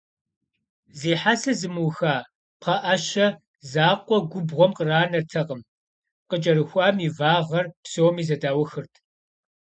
Зи хьэсэ зымыуха пхъэӀэщэ закъуэ губгъуэм къранэртэкъым, къыкӀэрыхуам и вагъэр псоми зэдаухырт.